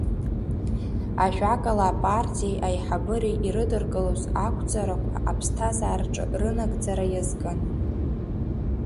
Ажәакала, апартиеи аиҳабыреи ирыдыркылоз ақәҵарақәа аԥсҭазаараҿы рынагӡара иазкын.